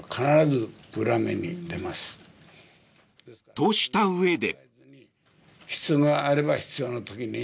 と、したうえで。